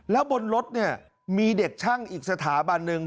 แล้วบนรถเนี่ยมีเด็กช่างอีกสถาบันหนึ่ง